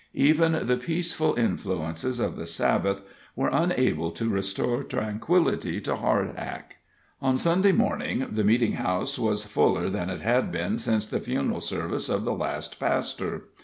Even the peaceful influences of the Sabbath were unable to restore tranquillity to Hardhack. On Sunday morning the meeting house was fuller than it had been since the funeral services of the last pastor.